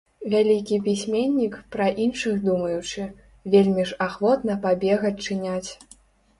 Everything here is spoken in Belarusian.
Вялікі пісьменнік, пра іншых думаючы, вельмі ж ахвотна пабег адчыняць.